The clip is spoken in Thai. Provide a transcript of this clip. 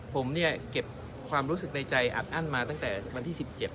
ผมเนี่ยเก็บความรู้สึกในใจอัดอั้นมาตั้งแต่วันที่๑๗